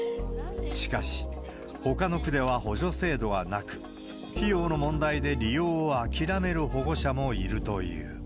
しかし、ほかの区では補助制度がなく、費用の問題で利用を諦める保護者もいるという。